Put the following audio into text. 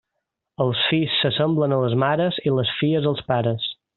Els fills s'assemblen a les mares, i les filles, als pares.